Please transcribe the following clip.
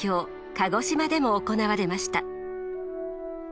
鹿児島でも行われました。